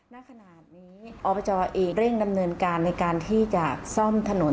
ณขนาดนี้อบจเองเร่งดำเนินการในการที่จะซ่อมถนน